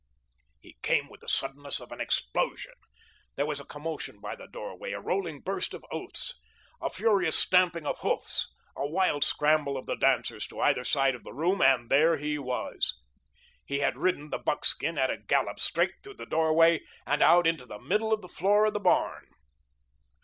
He came with the suddenness of an explosion. There was a commotion by the doorway, a rolling burst of oaths, a furious stamping of hoofs, a wild scramble of the dancers to either side of the room, and there he was. He had ridden the buckskin at a gallop straight through the doorway and out into the middle of the floor of the barn.